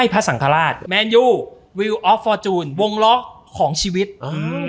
พระสังฆราชแมนยูวิวออฟฟอร์จูนวงล็อกของชีวิตอืม